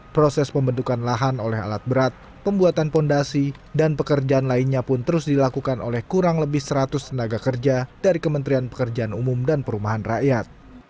proses pembentukan lahan oleh alat berat pembuatan fondasi dan pekerjaan lainnya pun terus dilakukan oleh kurang lebih seratus tenaga kerja dari kementerian pekerjaan umum dan perumahan rakyat